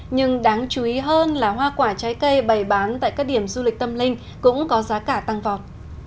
nhưng đáng chú ý hơn là hoa quả trái cây bày bán tại các điểm du lịch tâm linh cũng có giá cả tăng vọt